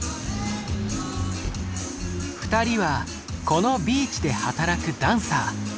２人はこのビーチで働くダンサー。